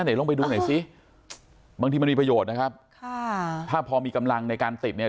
ลงไปดูหน่อยซิบางทีมันมีประโยชน์นะครับค่ะถ้าพอมีกำลังในการติดเนี่ย